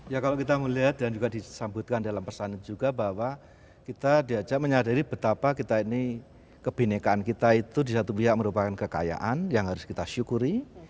ya kalau kita melihat dan juga disambutkan dalam pesan juga bahwa kita diajak menyadari betapa kita ini kebenekaan kita itu di satu pihak merupakan kekayaan yang harus kita syukuri